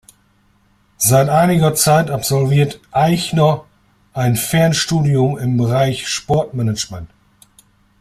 Seit einiger Zeit absolviert Eichner ein Fernstudium im Bereich Sportmanagement.